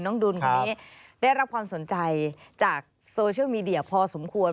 ดุลคนนี้ได้รับความสนใจจากโซเชียลมีเดียพอสมควร